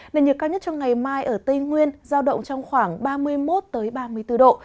nền nhiệt cao nhất trong ngày mai ở tây nguyên giao động trong khoảng ba mươi một ba mươi bốn độ